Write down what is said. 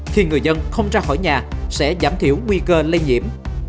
khi người dân không ra khỏi nhà sẽ giảm thiểu nguy cơ lây nhiễm